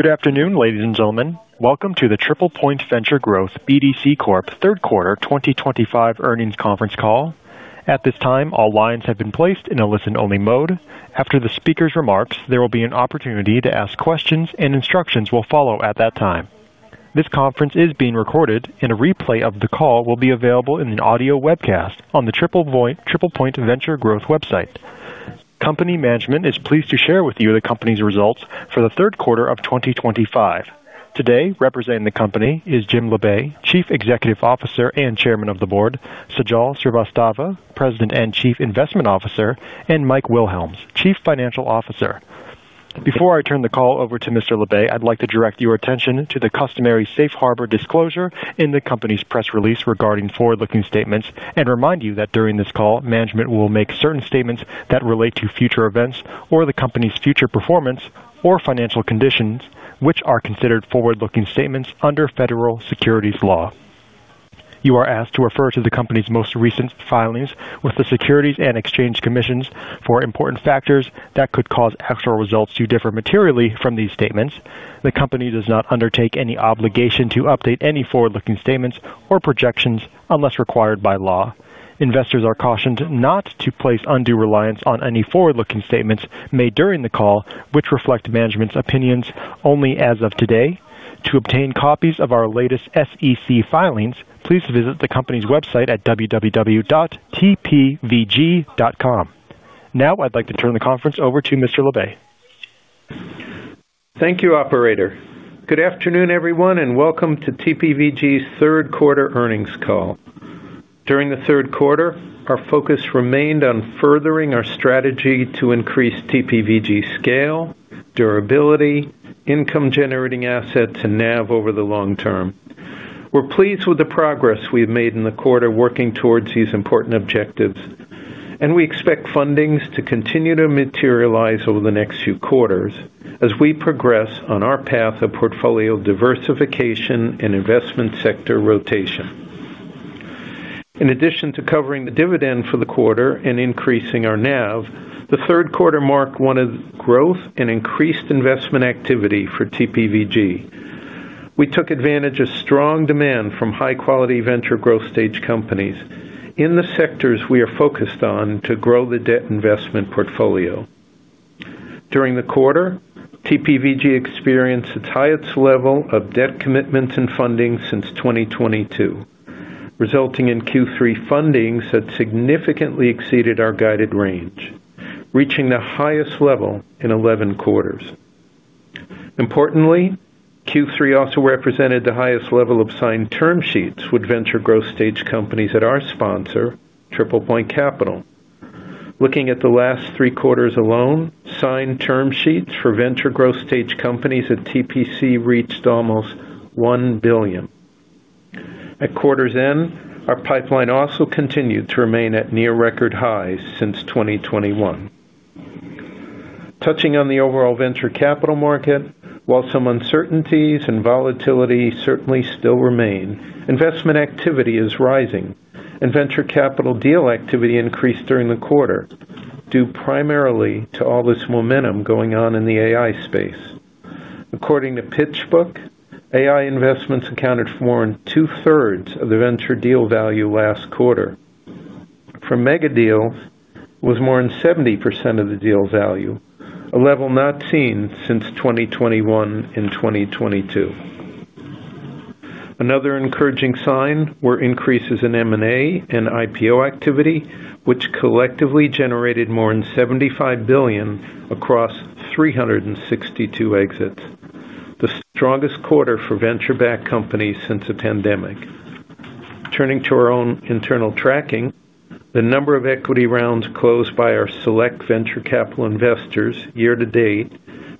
Good afternoon, ladies and gentlemen. Welcome to the TriplePoint Venture Growth BDC Corp's Third Quarter 2025 Earnings Conference Call. At this time, all lines have been placed in a listen-only mode. After the speaker's remarks, there will be an opportunity to ask questions, and instructions will follow at that time. This conference is being recorded, and a replay of the call will be available in an audio webcast on the TriplePoint Venture Growth website. Company management is pleased to share with you the company's results for the third quarter of 2025. Today, representing the company is Jim Labe, Chief Executive Officer and Chairman of the Board; Sajal Srivastava, President and Chief Investment Officer; and Mike Wilhelms, Chief Financial Officer. Before I turn the call over to Mr. Labe, I'd like to direct your attention to the customary safe harbor disclosure in the company's press release regarding forward-looking statements and remind you that during this call, management will make certain statements that relate to future events or the company's future performance or financial conditions, which are considered forward-looking statements under federal securities law. You are asked to refer to the company's most recent filings with the Securities and Exchange Commission for important factors that could cause actual results to differ materially from these statements. The company does not undertake any obligation to update any forward-looking statements or projections unless required by law. Investors are cautioned not to place undue reliance on any forward-looking statements made during the call, which reflect management's opinions only as of today. To obtain copies of our latest SEC filings, please visit the company's website at www.tpvg.com. Now, I'd like to turn the conference over to Mr. Labe. Thank you, Operator. Good afternoon, everyone, and welcome to TPVG's Third Quarter Earnings Call. During the third quarter, our focus remained on furthering our strategy to increase TPVG's scale, durability, income-generating assets, and NAV over the long term. We're pleased with the progress we've made in the quarter working towards these important objectives, and we expect fundings to continue to materialize over the next few quarters as we progress on our path of portfolio diversification and investment sector rotation. In addition to covering the dividend for the quarter and increasing our NAV, the third quarter marked one of growth and increased investment activity for TPVG. We took advantage of strong demand from high-quality venture growth stage companies in the sectors we are focused on to grow the debt investment portfolio. During the quarter, TPVG experienced its highest level of debt commitments and funding since 2022. Resulting in Q3 fundings that significantly exceeded our guided range, reaching the highest level in 11 quarters. Importantly, Q3 also represented the highest level of signed term sheets with venture growth stage companies at our sponsor, TriplePoint Capital. Looking at the last three quarters alone, signed term sheets for venture growth stage companies at TPC reached almost $1 billion. At quarter's end, our pipeline also continued to remain at near record highs since 2021. Touching on the overall venture capital market, while some uncertainties and volatility certainly still remain, investment activity is rising, and venture capital deal activity increased during the quarter due primarily to all this momentum going on in the AI space. According to PitchBook, AI investments accounted for more than two-thirds of the venture deal value last quarter. For mega deals, it was more than 70% of the deal value, a level not seen since 2021 and 2022. Another encouraging sign were increases in M&A and IPO activity, which collectively generated more than $75 billion across 362 exits, the strongest quarter for venture-backed companies since the pandemic. Turning to our own internal tracking, the number of equity rounds closed by our select venture capital investors year to date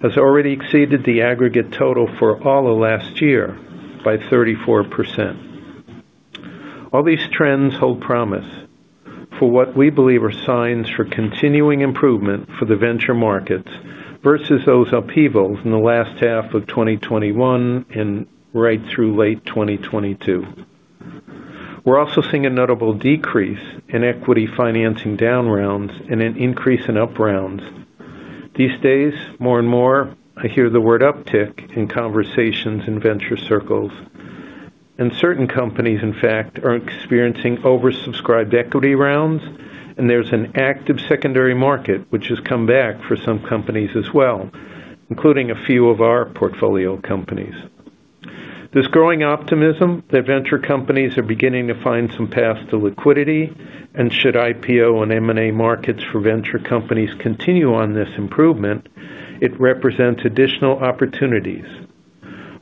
has already exceeded the aggregate total for all of last year by 34%. All these trends hold promise for what we believe are signs for continuing improvement for the venture markets versus those upheavals in the last half of 2021 and right through late 2022. We're also seeing a notable decrease in equity financing down rounds and an increase in up rounds. These days, more and more, I hear the word "uptick" in conversations in venture circles. Certain companies, in fact, are experiencing oversubscribed equity rounds, and there's an active secondary market which has come back for some companies as well, including a few of our portfolio companies. This growing optimism that venture companies are beginning to find some paths to liquidity and should IPO and M&A markets for venture companies continue on this improvement, it represents additional opportunities.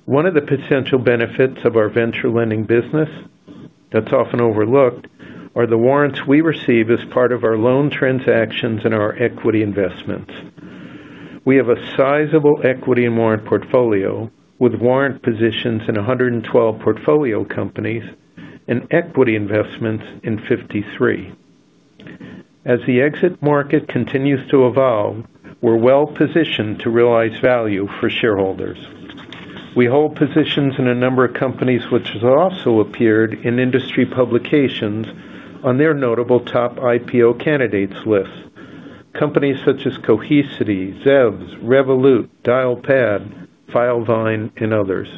One of the potential benefits of our venture lending business that's often overlooked are the warrants we receive as part of our loan transactions and our equity investments. We have a sizable equity and warrant portfolio with warrant positions in 112 portfolio companies and equity investments in 53. As the exit market continues to evolve, we're well positioned to realize value for shareholders. We hold positions in a number of companies which have also appeared in industry publications on their notable top IPO candidates list, companies such as Cohesity, Revolut, Dialpad, Filevine, and others.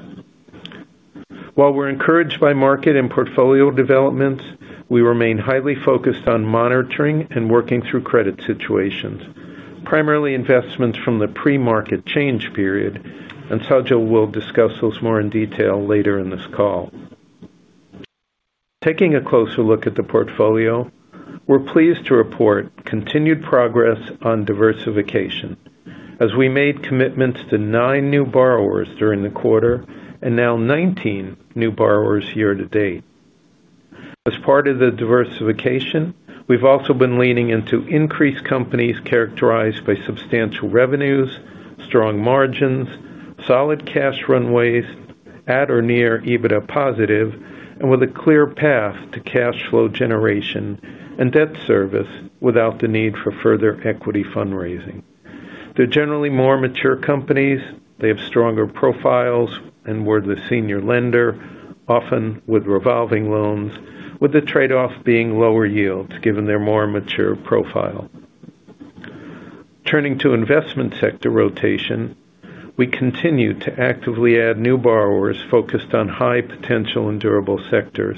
While we're encouraged by market and portfolio developments, we remain highly focused on monitoring and working through credit situations, primarily investments from the pre-market change period. Sajal will discuss those more in detail later in this call. Taking a closer look at the portfolio, we're pleased to report continued progress on diversification as we made commitments to nine new borrowers during the quarter and now 19 new borrowers year to date. As part of the diversification, we've also been leaning into increased companies characterized by substantial revenues, strong margins, solid cash runways, at or near EBITDA positive, and with a clear path to cash flow generation and debt service without the need for further equity fundraising. They're generally more mature companies. They have stronger profiles and we're the senior lender, often with revolving loans, with the trade-off being lower yields given their more mature profile. Turning to investment sector rotation, we continue to actively add new borrowers focused on high potential and durable sectors,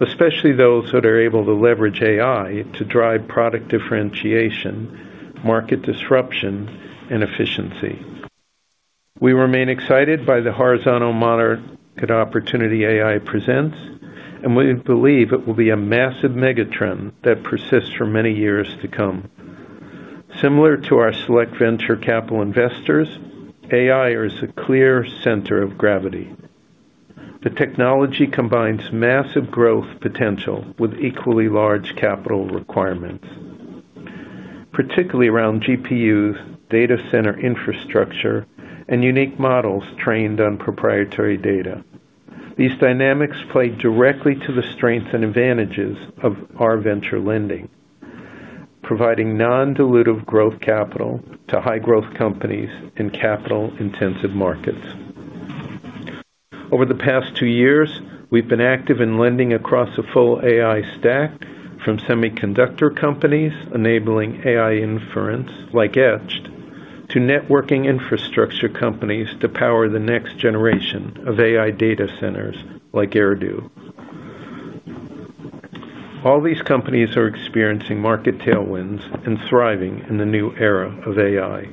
especially those that are able to leverage AI to drive product differentiation, market disruption, and efficiency. We remain excited by the horizontal market opportunity AI presents, and we believe it will be a massive megatrend that persists for many years to come. Similar to our select venture capital investors, AI is a clear center of gravity. The technology combines massive growth potential with equally large capital requirements. Particularly around GPUs, data center infrastructure, and unique models trained on proprietary data. These dynamics play directly to the strengths and advantages of our venture lending. Providing non-dilutive growth capital to high-growth companies in capital-intensive markets. Over the past two years, we've been active in lending across a full AI stack from semiconductor companies enabling AI inference like Etched to networking infrastructure companies to power the next generation of AI data centers like Eridu. All these companies are experiencing market tailwinds and thriving in the new era of AI.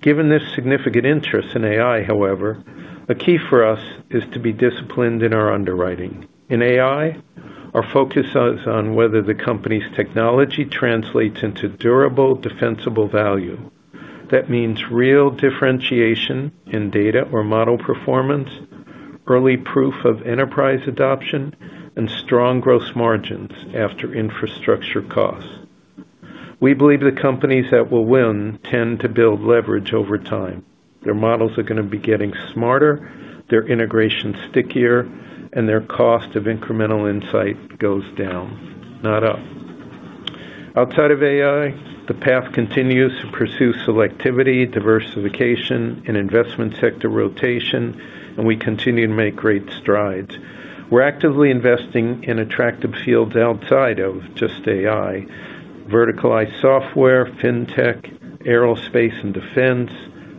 Given this significant interest in AI, however, a key for us is to be disciplined in our underwriting. In AI, our focus is on whether the company's technology translates into durable, defensible value. That means real differentiation in data or model performance, early proof of enterprise adoption, and strong gross margins after infrastructure costs. We believe the companies that will win tend to build leverage over time. Their models are going to be getting smarter, their integration stickier, and their cost of incremental insight goes down, not up. Outside of AI, the path continues to pursue selectivity, diversification, and investment sector rotation, and we continue to make great strides. We're actively investing in attractive fields outside of just AI: verticalized software, fintech, aerospace and defense,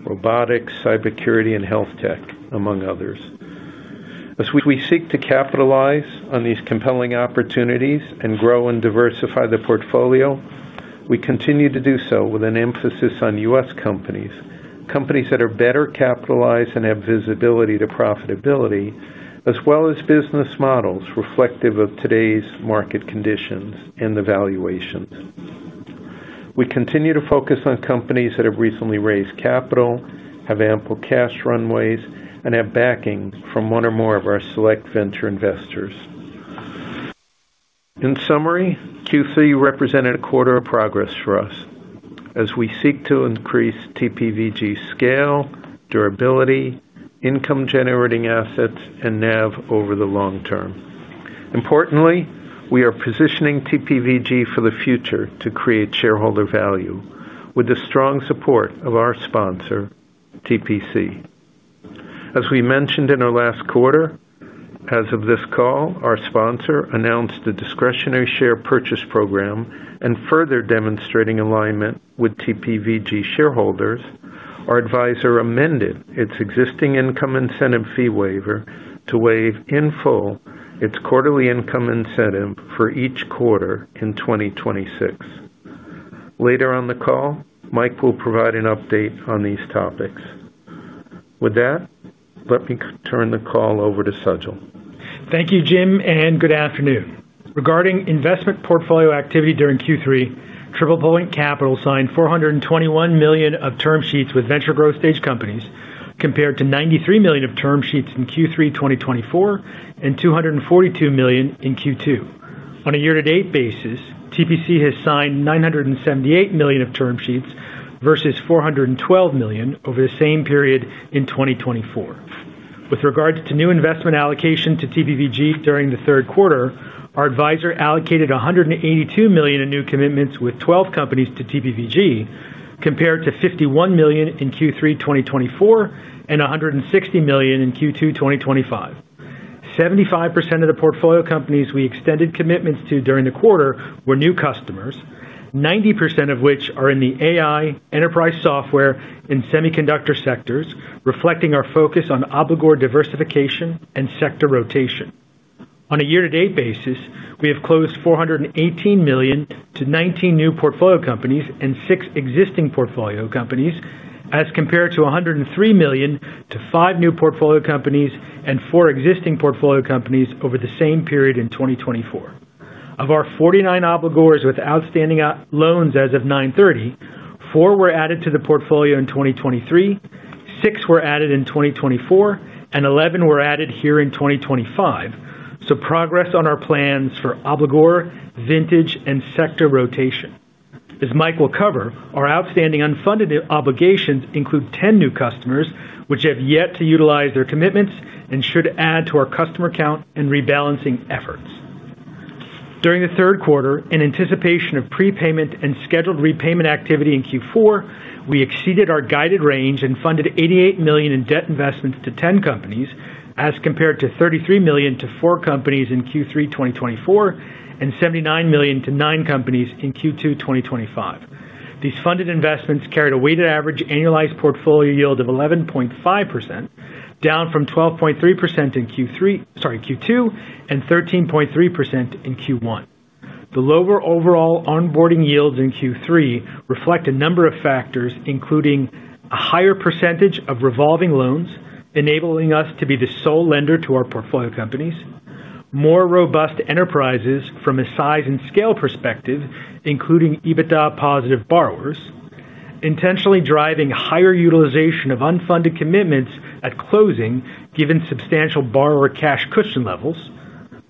robotics, cybersecurity, and health tech, among others. As we seek to capitalize on these compelling opportunities and grow and diversify the portfolio, we continue to do so with an emphasis on U.S. companies, companies that are better capitalized and have visibility to profitability, as well as business models reflective of today's market conditions and the valuations. We continue to focus on companies that have recently raised capital, have ample cash runways, and have backing from one or more of our select venture investors. In summary, Q3 represented a quarter of progress for us as we seek to increase TPVG's scale, durability, income-generating assets, and NAV over the long term. Importantly, we are positioning TPVG for the future to create shareholder value with the strong support of our sponsor, TPC. As we mentioned in our last quarter, as of this call, our sponsor announced the discretionary share purchase program, and further demonstrating alignment with TPVG shareholders, our advisor amended its existing income incentive fee waiver to waive in full its quarterly income incentive for each quarter in 2026. Later on the call, Mike will provide an update on these topics. With that, let me turn the call over to Sajal. Thank you, Jim, and good afternoon. Regarding investment portfolio activity during Q3, TriplePoint Capital signed $421 million of term sheets with venture growth stage companies compared to $93 million of term sheets in Q3 2024 and $242 million in Q2. On a year-to-date basis, TPC has signed $978 million of term sheets versus $412 million over the same period in 2024. With regards to new investment allocation to TPVG during the third quarter, our advisor allocated $182 million in new commitments with 12 companies to TPVG compared to $51 million in Q3 2024 and $160 million in Q2 2025. 75% of the portfolio companies we extended commitments to during the quarter were new customers, 90% of which are in the AI, enterprise software, and semiconductor sectors, reflecting our focus on obligor diversification and sector rotation. On a year-to-date basis, we have closed $418 million to 19 new portfolio companies and six existing portfolio companies as compared to $103 million to five new portfolio companies and four existing portfolio companies over the same period in 2024. Of our 49 obligors with outstanding loans as of 9/30, four were added to the portfolio in 2023. Six were added in 2024, and 11 were added here in 2025. Progress on our plans for obligor, vintage, and sector rotation. As Mike will cover, our outstanding unfunded obligations include 10 new customers which have yet to utilize their commitments and should add to our customer count and rebalancing efforts. During the third quarter, in anticipation of prepayment and scheduled repayment activity in Q4, we exceeded our guided range and funded $88 million in debt investments to 10 companies as compared to $33 million to four companies in Q3 2024 and $79 million to nine companies in Q2 2025. These funded investments carried a weighted average annualized portfolio yield of 11.5%, down from 12.3% in Q2 and 13.3% in Q1. The lower overall onboarding yields in Q3 reflect a number of factors, including a higher percentage of revolving loans enabling us to be the sole lender to our portfolio companies, more robust enterprises from a size and scale perspective, including EBITDA positive borrowers, intentionally driving higher utilization of unfunded commitments at closing given substantial borrower cash cushion levels,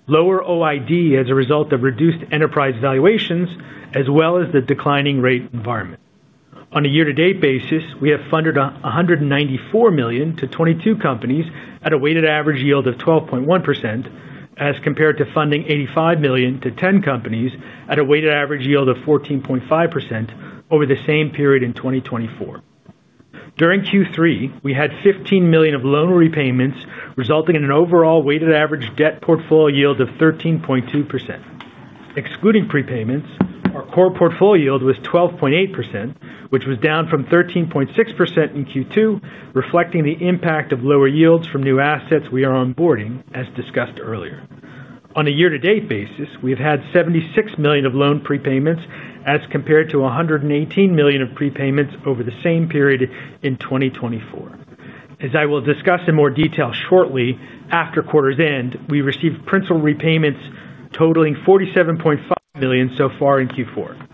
lower OID as a result of reduced enterprise valuations, as well as the declining rate environment. On a year-to-date basis, we have funded $194 million to 22 companies at a weighted average yield of 12.1% as compared to funding $85 million to 10 companies at a weighted average yield of 14.5% over the same period in 2024. During Q3, we had $15 million of loan repayments resulting in an overall weighted average debt portfolio yield of 13.2%. Excluding prepayments, our core portfolio yield was 12.8%, which was down from 13.6% in Q2, reflecting the impact of lower yields from new assets we are onboarding, as discussed earlier. On a year-to-date basis, we have had $76 million of loan prepayments as compared to $118 million of prepayments over the same period in 2023. As I will discuss in more detail shortly, after quarter's end, we received principal repayments totaling $47.5 million so far in Q4.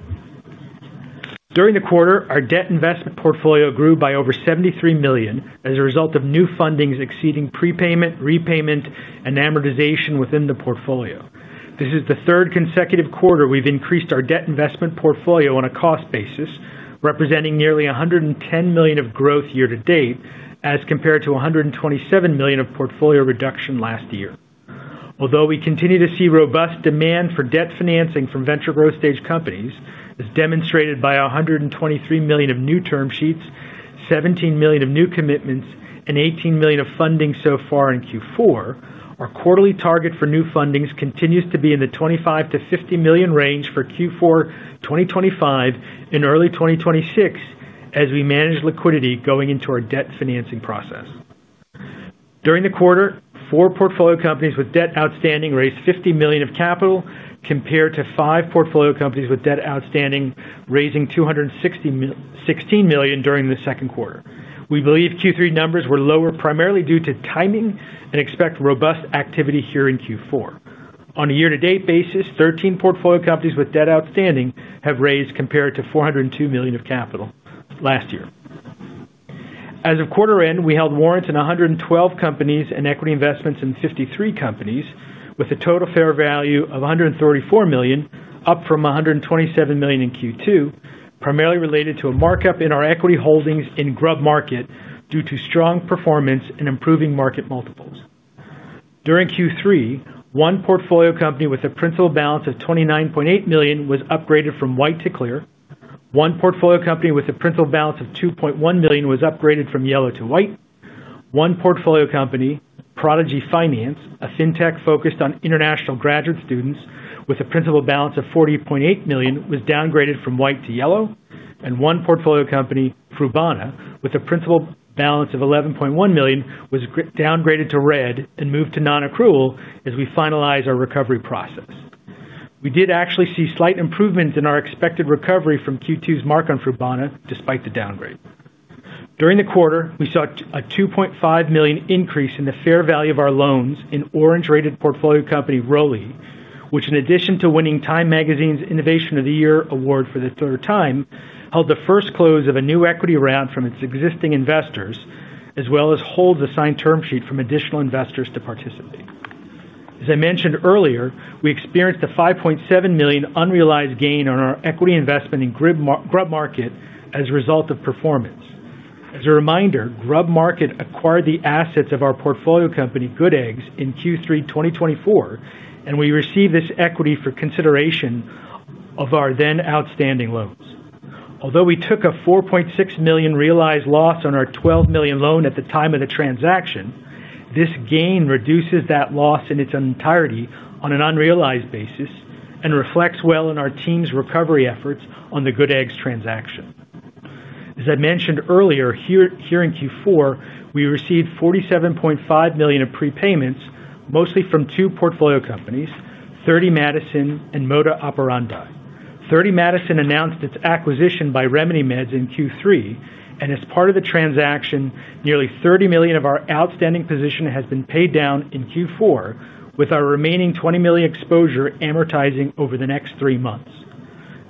During the quarter, our debt investment portfolio grew by over $73 million as a result of new fundings exceeding prepayment, repayment, and amortization within the portfolio. This is the third consecutive quarter we've increased our debt investment portfolio on a cost basis, representing nearly $110 million of growth year-to-date as compared to $127 million of portfolio reduction last year. Although we continue to see robust demand for debt financing from venture growth stage companies, as demonstrated by $123 million of new term sheets, $17 million of new commitments, and $18 million of funding so far in Q4, our quarterly target for new fundings continues to be in the $25-$50 million range for Q4 2025 and early 2026 as we manage liquidity going into our debt financing process. During the quarter, four portfolio companies with debt outstanding raised $50 million of capital compared to five portfolio companies with debt outstanding raising $216 million during the second quarter. We believe Q3 numbers were lower primarily due to timing and expect robust activity here in Q4. On a year-to-date basis, 13 portfolio companies with debt outstanding have raised compared to $402 million of capital last year. As of quarter end, we held warrants in 112 companies and equity investments in 53 companies with a total fair value of $134 million, up from $127 million in Q2, primarily related to a markup in our equity holdings in GrubMarket due to strong performance and improving market multiples. During Q3, one portfolio company with a principal balance of $29.8 million was upgraded from white to clear. One portfolio company with a principal balance of $2.1 million was upgraded from yellow to white. One portfolio company, Prodigy Finance, a fintech focused on international graduate students with a principal balance of $40.8 million, was downgraded from white to yellow. One portfolio company, Frubana, with a principal balance of $11.1 million, was downgraded to red and moved to non-accrual as we finalize our recovery process. We did actually see slight improvements in our expected recovery from Q2's mark on Frubana despite the downgrade. During the quarter, we saw a $2.5 million increase in the fair value of our loans in orange-rated portfolio company Roley, which, in addition to winning TIME Magazine's Innovation of the Year Award for the third time, held the first close of a new equity round from its existing investors, as well as holds assigned term sheet from additional investors to participate. As I mentioned earlier, we experienced a $5.7 million unrealized gain on our equity investment in GrubMarket as a result of performance. As a reminder, GrubMarket acquired the assets of our portfolio company, Good Eggs, in Q3 2024, and we received this equity for consideration of our then outstanding loans. Although we took a $4.6 million realized loss on our $12 million loan at the time of the transaction, this gain reduces that loss in its entirety on an unrealized basis and reflects well in our team's recovery efforts on the Good Eggs transaction. As I mentioned earlier, here in Q4, we received $47.5 million of prepayments, mostly from two portfolio companies, Thirty Madison and Moda Operandi. Thirty Madison announced its acquisition by Remedy Meds in Q3, and as part of the transaction, nearly $30 million of our outstanding position has been paid down in Q4, with our remaining $20 million exposure amortizing over the next three months.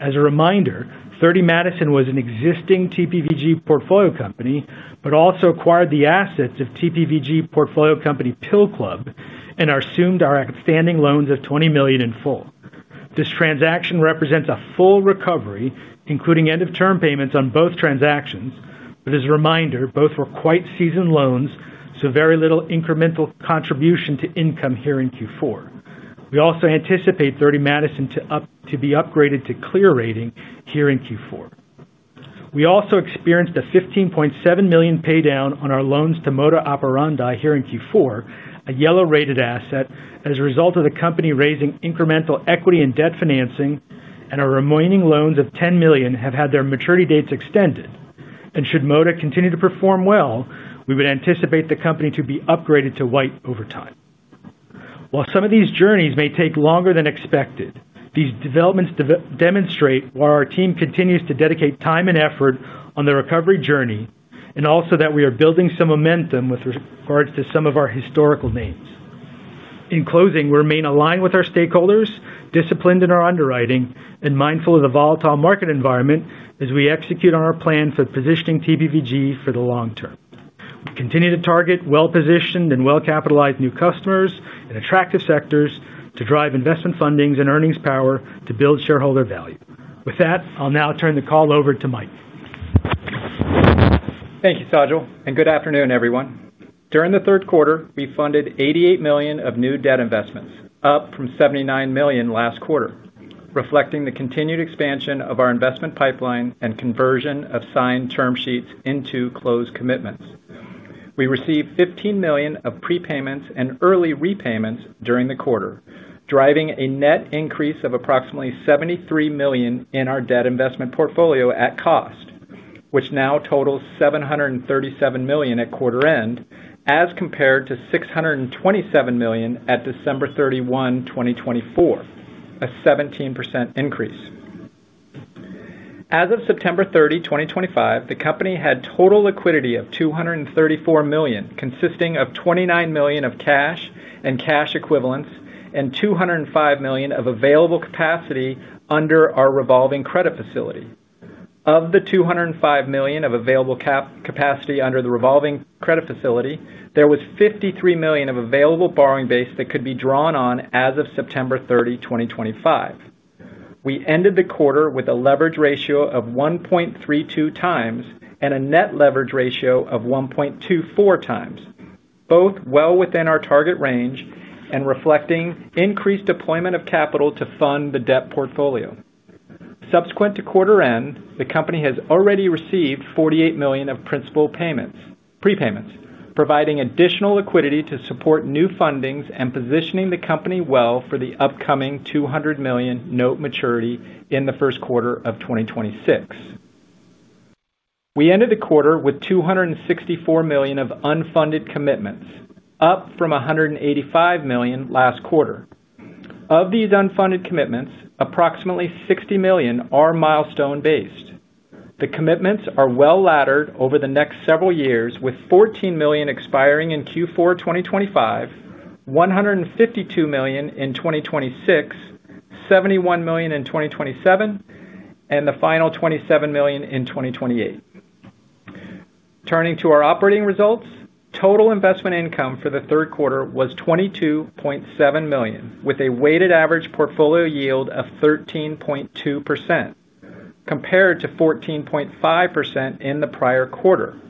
As a reminder, Thirty Madison was an existing TPVG portfolio company, but also acquired the assets of TPVG portfolio company Pill Club and assumed our outstanding loans of $20 million in full. This transaction represents a full recovery, including end-of-term payments on both transactions, but as a reminder, both were quite seasoned loans, so very little incremental contribution to income here in Q4. We also anticipate Thirty Madison to be upgraded to clear rating here in Q4. We also experienced a $15.7 million paydown on our loans to Moda Operandi here in Q4, a yellow-rated asset, as a result of the company raising incremental equity and debt financing, and our remaining loans of $10 million have had their maturity dates extended. Should Moda continue to perform well, we would anticipate the company to be upgraded to white over time. While some of these journeys may take longer than expected, these developments demonstrate why our team continues to dedicate time and effort on the recovery journey and also that we are building some momentum with regards to some of our historical names. In closing, we remain aligned with our stakeholders, disciplined in our underwriting, and mindful of the volatile market environment as we execute on our plan for positioning TPVG for the long term. We continue to target well-positioned and well-capitalized new customers in attractive sectors to drive investment fundings and earnings power to build shareholder value. With that, I'll now turn the call over to Mike. Thank you, Sajal, and good afternoon, everyone. During the third quarter, we funded $88 million of new debt investments, up from $79 million last quarter, reflecting the continued expansion of our investment pipeline and conversion of signed term sheets into closed commitments. We received $15 million of prepayments and early repayments during the quarter, driving a net increase of approximately $73 million in our debt investment portfolio at cost, which now totals $737 million at quarter end as compared to $627 million at December 31, 2024, a 17% increase. As of September 30, 2025, the company had total liquidity of $234 million, consisting of $29 million of cash and cash equivalents and $205 million of available capacity under our revolving credit facility. Of the $205 million of available capacity under the revolving credit facility, there was $53 million of available borrowing base that could be drawn on as of September 30, 2025. We ended the quarter with a leverage ratio of 1.32 times and a net leverage ratio of 1.24 times, both well within our target range and reflecting increased deployment of capital to fund the debt portfolio. Subsequent to quarter end, the company has already received $48 million of principal prepayments, providing additional liquidity to support new fundings and positioning the company well for the upcoming $200 million note maturity in the first quarter of 2026. We ended the quarter with $264 million of unfunded commitments, up from $185 million last quarter. Of these unfunded commitments, approximately $60 million are milestone-based. The commitments are well laddered over the next several years, with $14 million expiring in Q4 2025, $152 million in 2026, $71 million in 2027, and the final $27 million in 2028. Turning to our operating results, total investment income for the third quarter was $22.7 million, with a weighted average portfolio yield of 13.2%, compared to 14.5% in the prior quarter.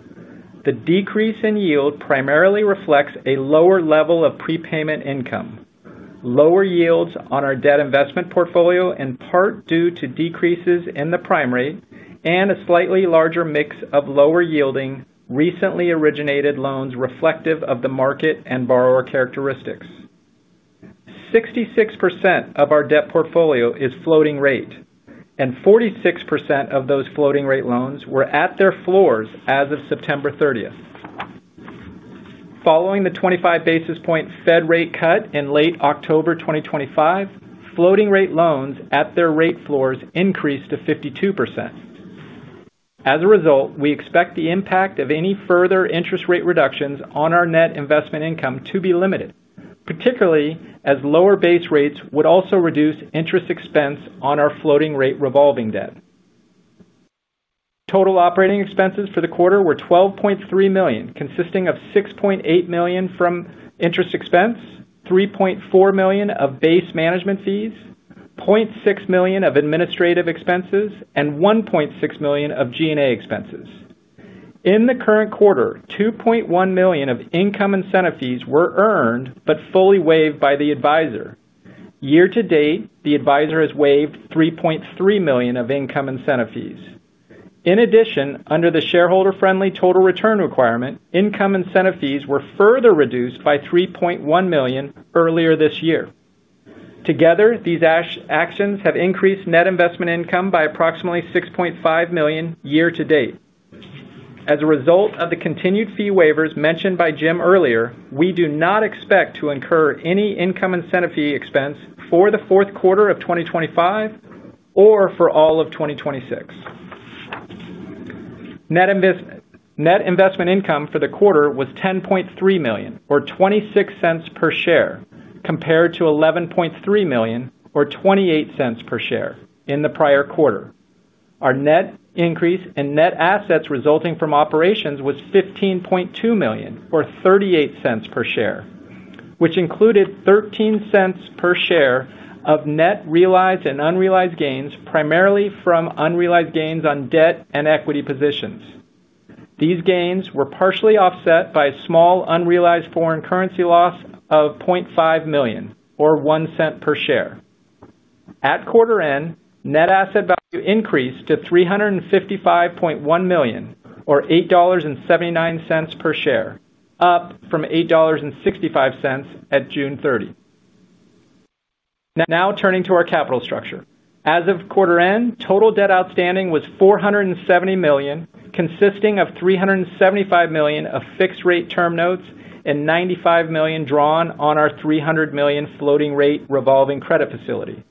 The decrease in yield primarily reflects a lower level of prepayment income, lower yields on our debt investment portfolio, in part due to decreases in the primary and a slightly larger mix of lower-yielding, recently originated loans reflective of the market and borrower characteristics. 66% of our debt portfolio is floating rate, and 46% of those floating rate loans were at their floors as of September 30th. Following the 25 basis point Fed rate cut in late October 2025, floating rate loans at their rate floors increased to 52%. As a result, we expect the impact of any further interest rate reductions on our net investment income to be limited, particularly as lower base rates would also reduce interest expense on our floating rate revolving debt. Total operating expenses for the quarter were $12.3 million, consisting of $6.8 million from interest expense, $3.4 million of base management fees, $0.6 million of administrative expenses, and $1.6 million of G&A expenses. In the current quarter, $2.1 million of income incentive fees were earned but fully waived by the advisor. Year-to-date, the advisor has waived $3.3 million of income incentive fees. In addition, under the shareholder-friendly total return requirement, income incentive fees were further reduced by $3.1 million earlier this year. Together, these actions have increased net investment income by approximately $6.5 million year-to-date. As a result of the continued fee waivers mentioned by Jim earlier, we do not expect to incur any income incentive fee expense for the fourth quarter of 2025 or for all of 2026. Net investment income for the quarter was $10.3 million, or $0.26 per share, compared to $11.3 million, or $0.28 per share, in the prior quarter. Our net increase in net assets resulting from operations was $15.2 million, or $0.38 per share, which included $0.13 per share of net realized and unrealized gains, primarily from unrealized gains on debt and equity positions. These gains were partially offset by a small unrealized foreign currency loss of $0.5 million, or $0.01 per share. At quarter end, net asset value increased to $355.1 million, or $8.79 per share, up from $8.65 at June 30. Now turning to our capital structure. As of quarter end, total debt outstanding was $470 million, consisting of $375 million of fixed-rate term notes and $95 million drawn on our $300 million floating-rate revolving credit facility.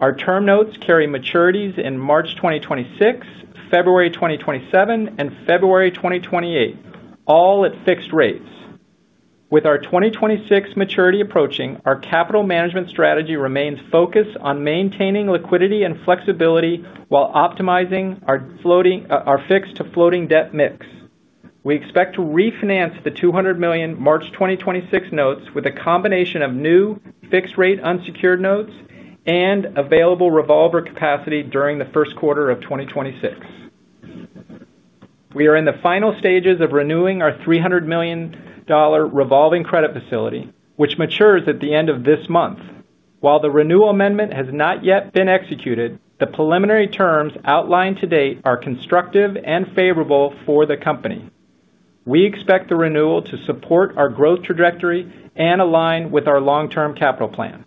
Our term notes carry maturities in March 2026, February 2027, and February 2028, all at fixed rates. With our 2026 maturity approaching, our capital management strategy remains focused on maintaining liquidity and flexibility while optimizing our fixed-to-floating debt mix. We expect to refinance the $200 million March 2026 notes with a combination of new fixed-rate unsecured notes and available revolver capacity during the first quarter of 2026. We are in the final stages of renewing our $300 million revolving credit facility, which matures at the end of this month. While the renewal amendment has not yet been executed, the preliminary terms outlined to date are constructive and favorable for the company. We expect the renewal to support our growth trajectory and align with our long-term capital plan.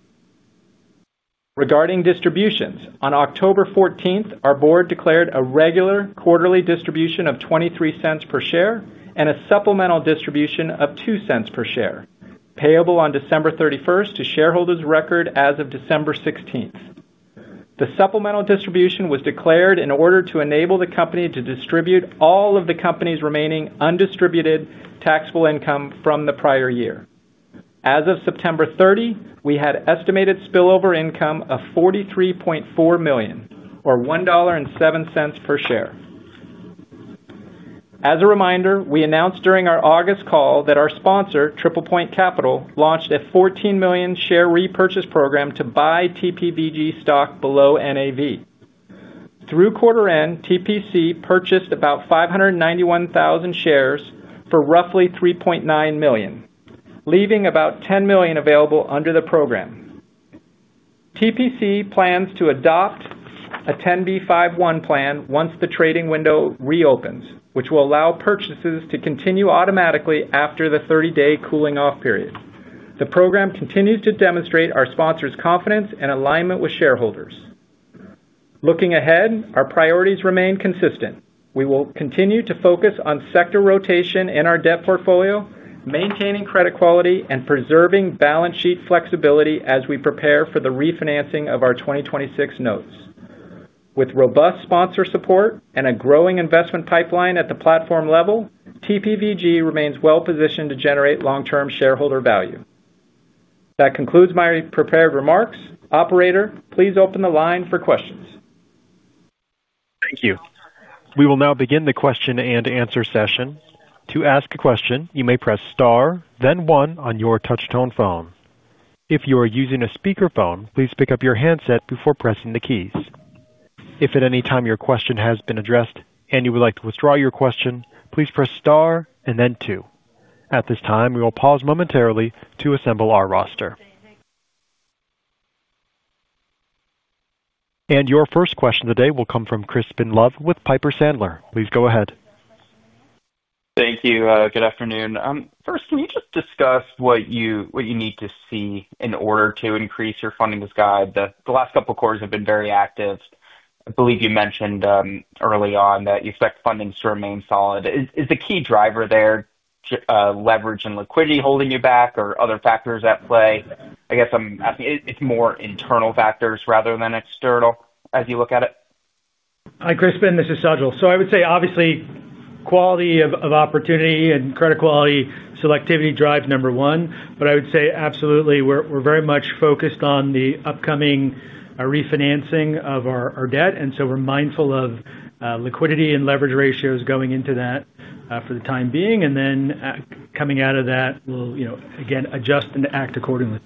Regarding distributions, on October 14, our board declared a regular quarterly distribution of $0.23 per share and a supplemental distribution of $0.02 per share, payable on December 31st to shareholders of record as of December 16th. The supplemental distribution was declared in order to enable the company to distribute all of the company's remaining undistributed taxable income from the prior year. As of September 30, we had estimated spillover income of $43.4 million, or $1.07 per share. As a reminder, we announced during our August call that our sponsor, TriplePoint Capital, launched a 14 million share repurchase program to buy TPVG stock below NAV. Through quarter end, TPC purchased about 591,000 shares for roughly $3.9 million, leaving about $10 million available under the program. TPC plans to adopt a 10b5-1 plan once the trading window reopens, which will allow purchases to continue automatically after the 30-day cooling-off period. The program continues to demonstrate our sponsor's confidence and alignment with shareholders. Looking ahead, our priorities remain consistent. We will continue to focus on sector rotation in our debt portfolio, maintaining credit quality, and preserving balance sheet flexibility as we prepare for the refinancing of our 2026 notes. With robust sponsor support and a growing investment pipeline at the platform level, TPVG remains well-positioned to generate long-term shareholder value. That concludes my prepared remarks. Operator, please open the line for questions. Thank you. We will now begin the question and answer session. To ask a question, you may press star, then one on your touch-tone phone. If you are using a speakerphone, please pick up your handset before pressing the keys. If at any time your question has been addressed and you would like to withdraw your question, please press star and then two. At this time, we will pause momentarily to assemble our roster. Your first question today will come from Crispin Love with Piper Sandler. Please go ahead. Thank you. Good afternoon. First, can you just discuss what you need to see in order to increase your funding guidance? The last couple of quarters have been very active. I believe you mentioned early on that you expect fundings to remain solid. Is the key driver there leverage and liquidity holding you back, or are other factors at play? I guess I'm asking if it's more internal factors rather than external as you look at it. Hi, Crispin. This is Sajal. I would say, obviously, quality of opportunity and credit quality selectivity drives number one. I would say, absolutely, we're very much focused on the upcoming refinancing of our debt. We are mindful of liquidity and leverage ratios going into that for the time being. Coming out of that, we'll, again, adjust and act accordingly.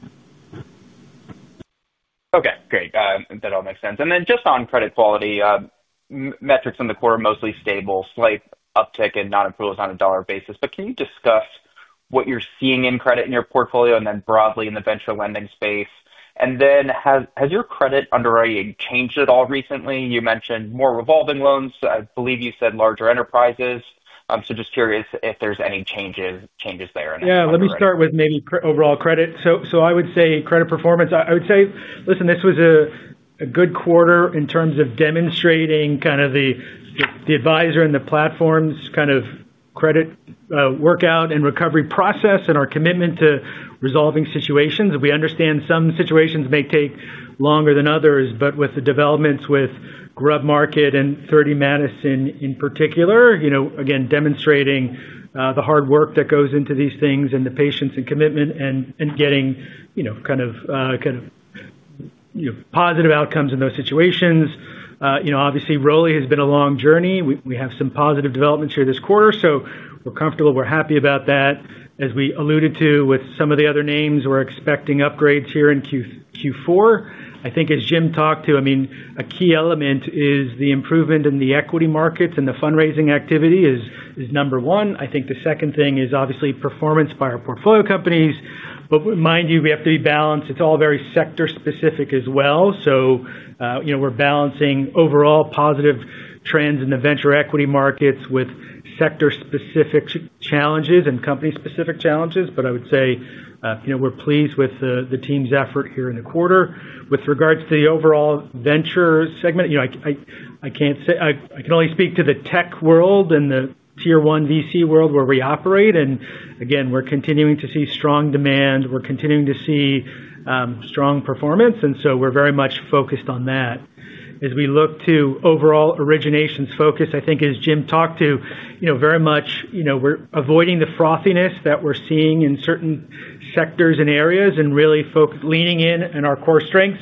Okay. Great. That all makes sense. Just on credit quality, metrics in the quarter are mostly stable, slight uptick in non-approvals on a dollar basis. Can you discuss what you're seeing in credit in your portfolio and then broadly in the venture lending space? Has your credit underwriting changed at all recently? You mentioned more revolving loans. I believe you said larger enterprises. Just curious if there's any changes there. Yeah. Let me start with maybe overall credit. I would say credit performance. I would say, listen, this was a good quarter in terms of demonstrating kind of the advisor and the platform's kind of credit workout and recovery process and our commitment to resolving situations. We understand some situations may take longer than others, but with the developments with GrubMarket and Thirty Madison in particular, again, demonstrating the hard work that goes into these things and the patience and commitment and getting kind of positive outcomes in those situations. Obviously, Roley has been a long journey. We have some positive developments here this quarter. We are comfortable. We are happy about that. As we alluded to with some of the other names, we are expecting upgrades here in Q4. I think as Jim talked to, I mean, a key element is the improvement in the equity markets and the fundraising activity is number one. I think the second thing is obviously performance by our portfolio companies. Mind you, we have to be balanced. It is all very sector-specific as well. We are balancing overall positive trends in the venture equity markets with sector-specific challenges and company-specific challenges. I would say we are pleased with the team's effort here in the quarter. With regards to the overall venture segment, I cannot say I can only speak to the tech world and the tier-one VC world where we operate. Again, we are continuing to see strong demand. We are continuing to see strong performance. We are very much focused on that. As we look to overall originations focus, I think as Jim talked to, very much we're avoiding the frothiness that we're seeing in certain sectors and areas and really leaning in on our core strengths,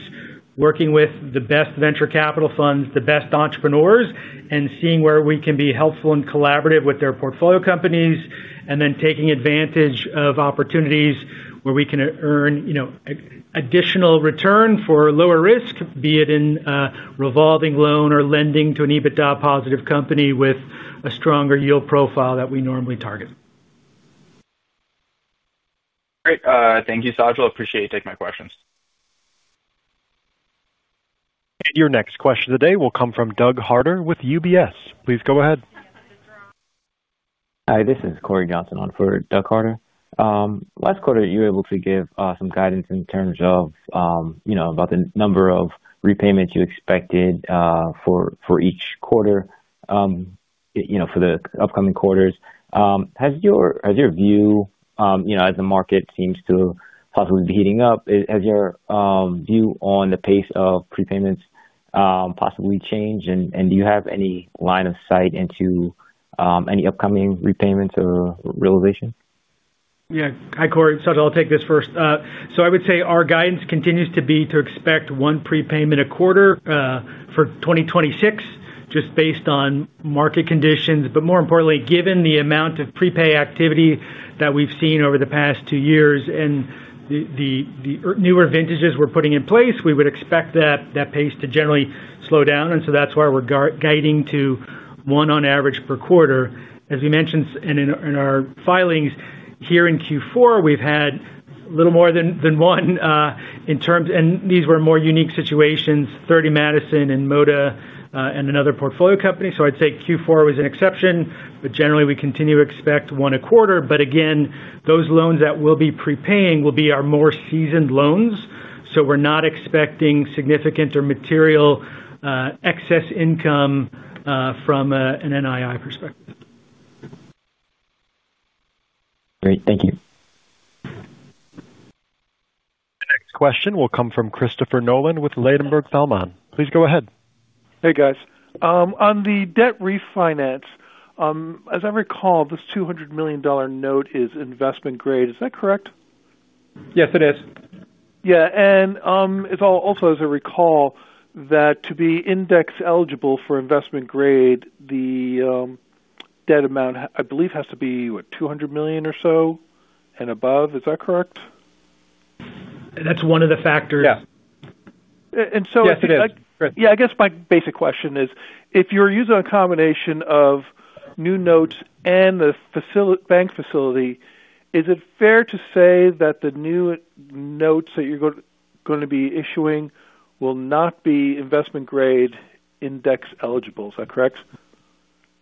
working with the best venture capital funds, the best entrepreneurs, and seeing where we can be helpful and collaborative with their portfolio companies, and then taking advantage of opportunities where we can earn additional return for lower risk, be it in a revolving loan or lending to an EBITDA-positive company with a stronger yield profile that we normally target. Great. Thank you, Sajal. Appreciate you taking my questions. Your next question today will come from Doug Harder with UBS. Please go ahead. Hi, this is Corey Johnson on for Doug Harder. Last quarter, you were able to give some guidance in terms of about the number of repayments you expected for each quarter. For the upcoming quarters, has your view, as the market seems to possibly be heating up, has your view on the pace of prepayments possibly changed? Do you have any line of sight into any upcoming repayments or realization? Yeah. Hi, Corey. Sajal, I'll take this first. I would say our guidance continues to be to expect one prepayment a quarter for 2026, just based on market conditions. More importantly, given the amount of prepay activity that we've seen over the past two years and the newer vintages we're putting in place, we would expect that pace to generally slow down. That is why we're guiding to one on average per quarter. As we mentioned in our filings, here in Q4, we've had a little more than one in terms and these were more unique situations, Thirty Madison and Moda and another portfolio company. I'd say Q4 was an exception, but generally, we continue to expect one a quarter. Again, those loans that we'll be prepaying will be our more seasoned loans. We're not expecting significant or material. Excess income from an NII perspective. Great. Thank you. The next question will come from Christopher Nolan with Ladenburg Thalmann. Please go ahead. Hey, guys. On the debt refinance. As I recall, this $200 million note is investment grade. Is that correct? Yes, it is. Yeah. Also, as I recall, to be index eligible for investment grade, the debt amount, I believe, has to be, what, $200 million or so and above. Is that correct? That's one of the factors. Yeah. And so. Yes, it is. Yeah. I guess my basic question is, if you're using a combination of new notes and the bank facility, is it fair to say that the new notes that you're going to be issuing will not be investment-grade index eligible? Is that correct?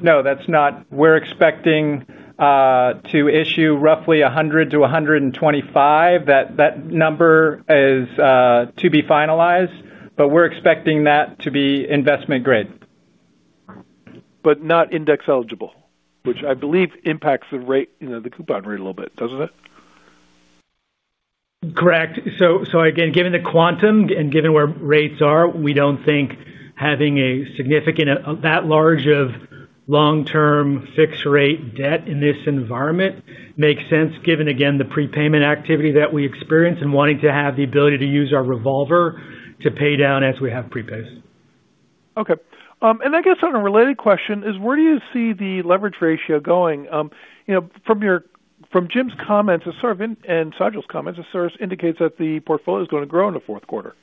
No, that's not. We're expecting to issue roughly $100 million-$125 million. That number is to be finalized, but we're expecting that to be investment grade. Not index eligible, which I believe impacts the coupon rate a little bit, doesn't it? Correct. Again, given the quantum and given where rates are, we do not think having a significant that large of long-term fixed-rate debt in this environment makes sense, given, again, the prepayment activity that we experience and wanting to have the ability to use our revolver to pay down as we have prepays. Okay. I guess on a related question, where do you see the leverage ratio going? From Jim's comments and Sajal's comments, it sort of indicates that the portfolio is going to grow in the fourth quarter.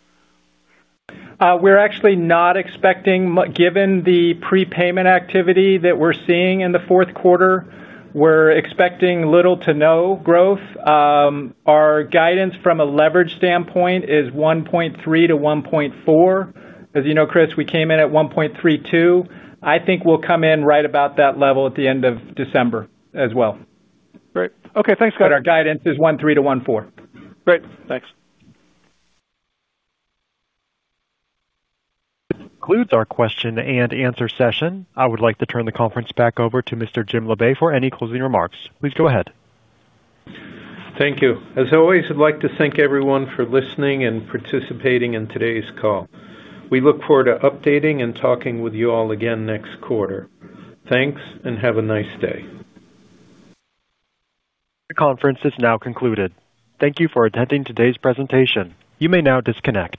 We're actually not expecting, given the prepayment activity that we're seeing in the fourth quarter, we're expecting little to no growth. Our guidance from a leverage standpoint is 1.3-1.4. As you know, Chris, we came in at 1.32. I think we'll come in right about that level at the end of December as well. Great. Okay. Thanks, guys. Our guidance is $1.3-$1.4. Great. Thanks. This concludes our question and answer session. I would like to turn the conference back over to Mr. Jim Labe for any closing remarks. Please go ahead. Thank you. As always, I'd like to thank everyone for listening and participating in today's call. We look forward to updating and talking with you all again next quarter. Thanks and have a nice day. The conference is now concluded. Thank you for attending today's presentation. You may now disconnect.